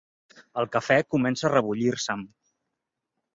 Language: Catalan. El cafè comença a rebullir-se'm.